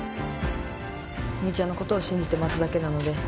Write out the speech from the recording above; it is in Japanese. お兄ちゃんのことを信じて待つだけなので。